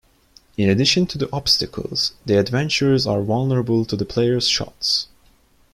In addition to the obstacles, the adventurers are vulnerable to the player's shots.